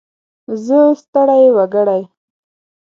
زه ستړی وګړی.